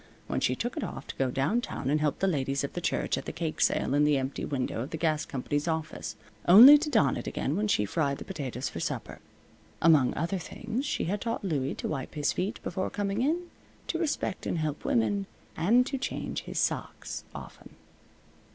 when she took it off to go downtown and help the ladies of the church at the cake sale in the empty window of the gas company's office, only to don it again when she fried the potatoes for supper. Among other things she had taught Louie to wipe his feet before coming in, to respect and help women, and to change his socks often.